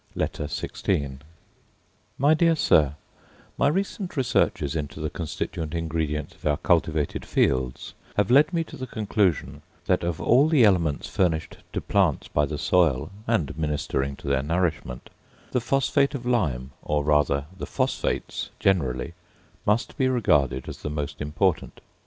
LETTER XVI My dear Sir, My recent researches into the constituent ingredients of our cultivated fields have led me to the conclusion that, of all the elements furnished to plants by the soil and ministering to their nourishment, the phosphate of lime or, rather, the phosphates generally must be regarded as the most important.